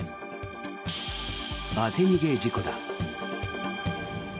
当て逃げ事故だ。